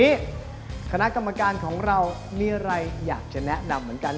วันนี้คณะกรรมการของเรามีอะไรอยากจะแนะนำเหมือนกัน